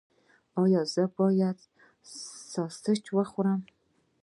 ایا زه باید ساسج وخورم؟